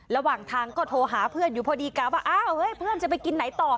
ระหว่างทางก็โทรหาเพื่อนอยู่พอดีกะว่าอ้าวเฮ้ยเพื่อนจะไปกินไหนต่อ